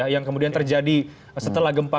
yang kemudian terjadi setelah gempa